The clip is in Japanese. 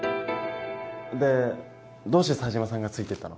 でどうして冴島さんがついていったの？